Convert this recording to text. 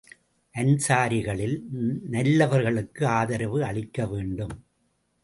அன்ஸாரிகளில் நல்லவர்களுக்கு ஆதரவு அளிக்க வேண்டும்.